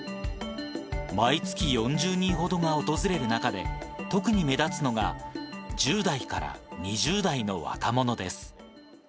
毎月４０人ほどが訪れる中で、特に目立つのが、１０代から２０代の若者です。